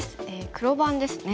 黒番ですね。